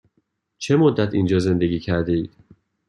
چه مدت اینجا زندگی کرده اید؟